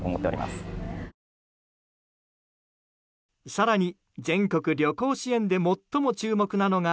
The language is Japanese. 更に、全国旅行支援で最も注目なのが